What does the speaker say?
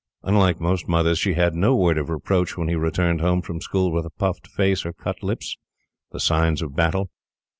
Unlike most mothers, she had no word of reproach when he returned home from school with a puffed face, or cut lips; the signs of battle.